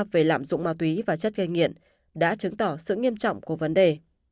về lạm dụng ma túy và chất gây nghiện đã chứng tỏ sự nghiêm trọng của vấn đề